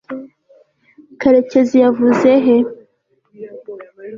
karekezi yavuze he